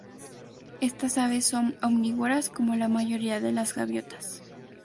Estas aves son omnívoras, como la mayoría de las gaviotas.